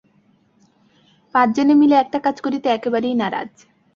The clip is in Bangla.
পাঁচজনে মিলে একটা কাজ করিতে একেবারেই নারাজ।